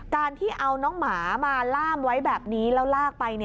การที่เอาน้องหมามาล่ามไว้แบบนี้แล้วลากไป